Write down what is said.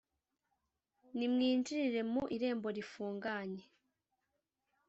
nimwinjirire mu irembo rifunganye